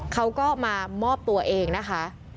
เขาก็มามอบตัวเองนะคะ